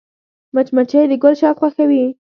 مچمچۍ د ګل شات خوښوي